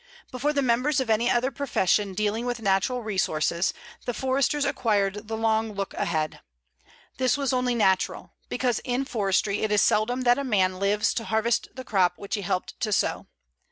Before the members of any other profession dealing with natural resources, the Foresters acquired the long look ahead. This was only natural, because in forestry it is seldom that a man lives to harvest the crop which he helped to sow.